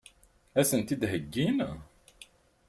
Ad sen-t-id-heggin?